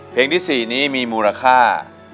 เพลงที่๔นี้มีมูลค่า